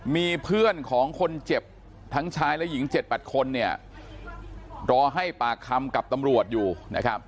มีเพื่อนของคนเจ็บทั้งชายและหญิง๗๘คนรอให้ปากคำกับตำรวจอยู่นะครับ